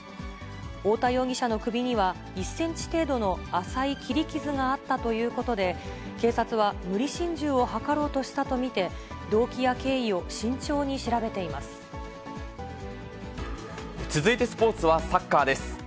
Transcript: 太田容疑者の首には、１センチ程度の浅い切り傷があったということで、警察は無理心中を図ろうとしたと見て、動機や経緯を慎重に調べて続いてスポーツはサッカーです。